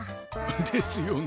ですよね。